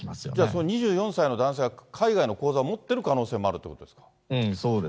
それ、２４歳の男性は海外の口座を持ってる可能性もあるということですうん、